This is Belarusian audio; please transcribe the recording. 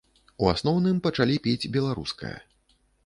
У асноўным пачалі піць беларускае.